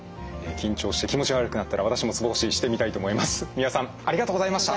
三輪さんありがとうございました。